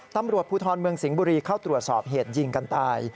ตำรวจภูทรเมืองสิงห์บุรีเข้าตรวจสอบเหตุยิงกันตาย